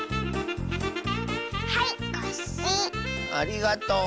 ありがとう。